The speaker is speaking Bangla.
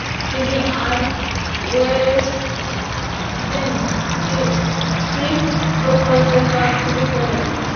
তিনি তার ওয়েরডেন ক্লিফ প্রকল্পের কাজ শুরু করেন।